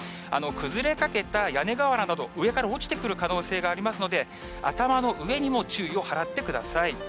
崩れかけた屋根瓦など、上から落ちてくる可能性がありますので、頭の上にも注意を払ってください。